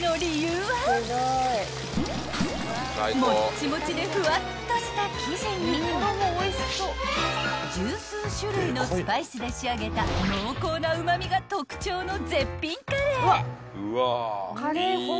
［モッチモチでフワッとした生地に十数種類のスパイスで仕上げた濃厚なうま味が特徴の絶品カレー］